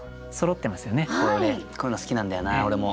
こういうの好きなんだよな俺も。